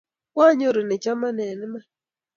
Kwaanyoru ne chomon eng' iman